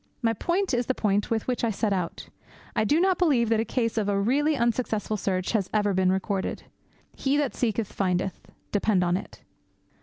My point is the point with which I set out. I do not believe that a case of a really unsuccessful search has ever been recorded. He that seeketh, findeth, depend upon it.